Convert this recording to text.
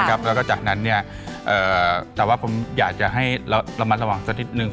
แล้วก็จากนั้นแต่ว่าผมอยากจะให้ระมัดระวังสักนิดนึง